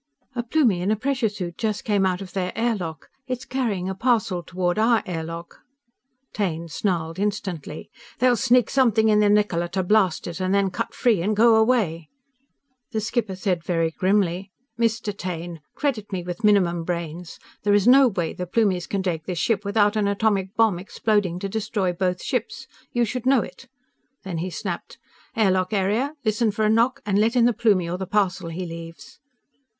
A Plumie in a pressure suit just came out of their air lock. It's carrying a parcel toward our air lock." Taine snarled instantly: "They'll sneak something in the Niccola to blast it, and then cut free and go away!" The skipper said very grimly: "_Mr. Taine, credit me with minimum brains! There is no way the Plumies can take this ship without an atomic bomb exploding to destroy both ships. You should know it!_" Then he snapped: "_Air lock area, listen for a knock, and let in the Plumie or the parcel he leaves.